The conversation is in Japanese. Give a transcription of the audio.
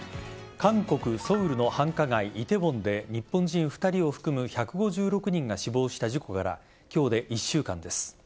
韓国・ソウルの繁華街梨泰院で日本人２人を含む１５６人が死亡した事故から今日で１週間です。